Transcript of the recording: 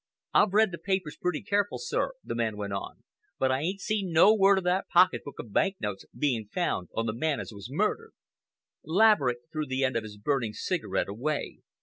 I've read the papers pretty careful, sir," the man went on, "but I ain't seen no word of that pocket book of bank notes being found on the man as was murdered." Laverick threw the end of his burning cigarette away.